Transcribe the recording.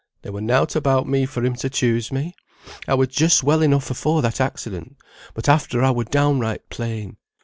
"There were nought about me for him to choose me. I were just well enough afore that accident, but at after I were downright plain.